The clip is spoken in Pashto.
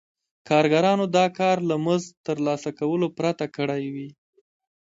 کارګرانو دا کار له مزد ترلاسه کولو پرته کړی وي